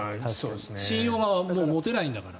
信用が、もう持てないんだから。